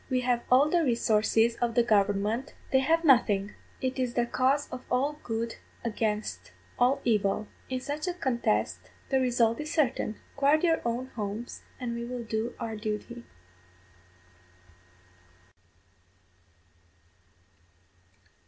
We have all the resources of the government, they have nothing; it is the cause of all good against all evil. In such a contest the result is certain. Guard your own homes, and we will do our duty.